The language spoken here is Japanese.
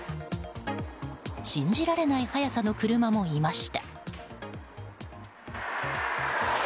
信じられない速さの車もいました。